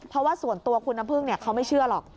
เพราะว่าส่วนตัวคุณน้ำพึ่งเขาไม่เชื่อหรอก